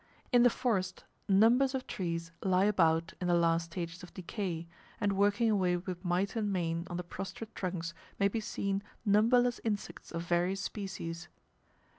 In the forest numbers of trees lie about in the last stages of decay, and working away with might and main on the prostrate trunks may be seen numberless insects of various species.